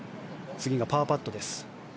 次がパーパット。